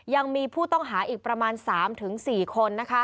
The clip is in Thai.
ยังมีผู้ต้องหาอีกประมาณ๓๔คน